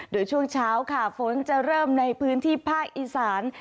โดยช่วงเช้าค่ะฝนจะเริ่มในพื้นที่ภาคอีสาน